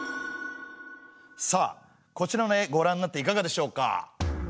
さあこちらの絵ごらんになっていかがでしょうか？